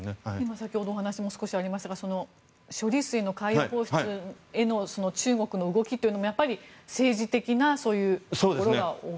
先ほどお話も少しありましたが処理水の海洋放出への中国の動きというのもやっぱり政治的なところが大きいと。